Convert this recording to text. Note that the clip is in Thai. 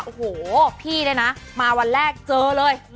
โอ้โหพี่เนี่ยนะมาวันแรกเจอเลย